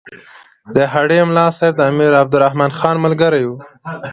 د هډې ملاصاحب د امیر عبدالرحمن خان ملګری وو.